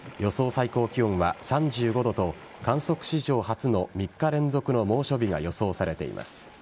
最高気温は３５度と観測史上初の３日連続の猛暑日が予想されています。